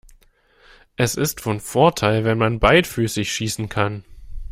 Es ist von Vorteil wenn man beidfüßig schießen kann.